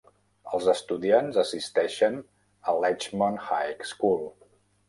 Els estudiants assisteixen a l'Edgemont High School.